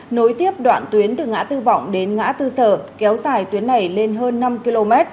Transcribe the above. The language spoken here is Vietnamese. nối tiếp đoạn tuyến từ ngã tư vọng đến ngã tư sở kéo dài tuyến này lên hơn năm km